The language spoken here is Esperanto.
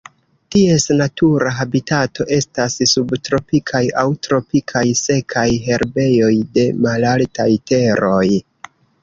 Ties natura habitato estas subtropikaj aŭ tropikaj sekaj herbejoj de malaltaj teroj.